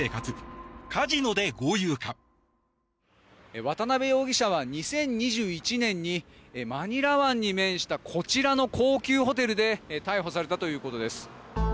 渡邉容疑者は２０２１年にマニラ湾に面したこちらの高級ホテルで逮捕されたということです。